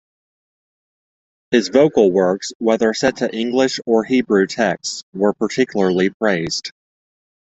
His vocal works, whether set to English or Hebrew texts, were particularly praised.